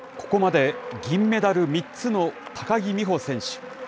ここまで銀メダル３つの高木美帆選手。